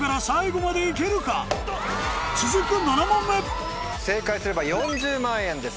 ７問目正解すれば４０万円です